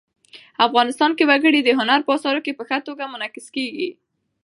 افغانستان کې وګړي د هنر په اثار کې په ښه توګه منعکس کېږي.